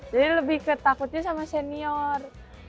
jadi lebih ketakutnya sama senior